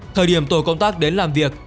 thời điểm tổ công tác đến làm việc